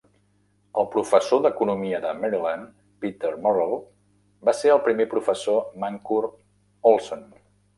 El professor d'Economia de Maryland, Peter Murrell, va ser el primer professor Mancur Olson.